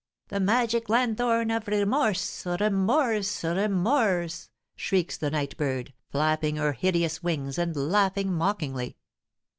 "The magic lanthorn of remorse! remorse! remorse!" shrieks the night bird, flapping her hideous wings, and laughing mockingly.